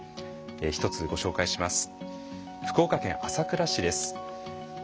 １つご紹介します。